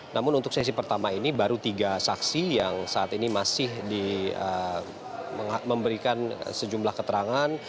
namun untuk sesi pertama ini baru tiga saksi yang saat ini masih memberikan sejumlah keterangan